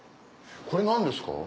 これ何ですか？